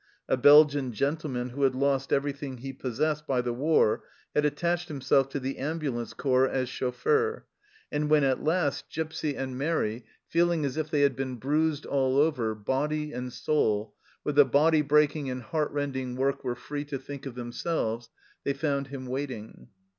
A Belgian gentleman who had lost everything he possessed by the war had attached himself to the ambulance corps as chauffeur, and when at last Gipsy and 9 66 THE CELLAR HOUSE OF PERVYSE Mairi, feeling as if they had been bruised all over, body and soul, with the body breaking and heart rending work, were free to think of themselves, they found him waiting.